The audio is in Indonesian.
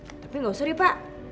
eh tapi nggak usah ri pak